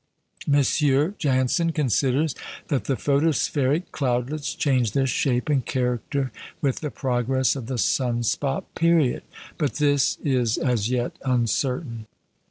M. Janssen considers that the photospheric cloudlets change their shape and character with the progress of the sun spot period; but this is as yet uncertain.